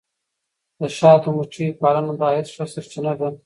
د شاتو مچیو پالنه د عاید ښه سرچینه ده.